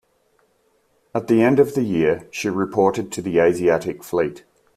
At the end of the year, she reported to the Asiatic Fleet.